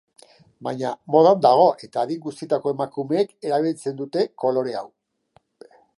Baina, modan dago eta adin guztietako emakumeek erabiltzen dute kolore hau.